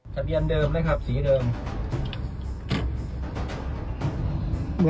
ทะเบียนเดิมนะครับสีเดิม